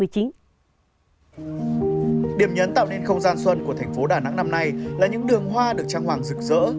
điểm nhấn tạo nên không gian xuân của thành phố đà nẵng năm nay là những đường hoa được trang hoàng rực rỡ